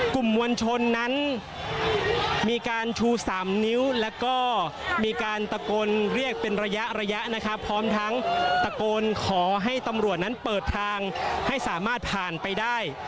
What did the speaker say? กลุ่มมวลชนนั้นมีการชู๓นิ้วแล้วก็มีการตะโกนเรียกเป็นระยะระยะนะครับพร้อมทั้งตะโกนขอให้ตำรวจนั้นเปิดทางให้สามารถผ่านไปได้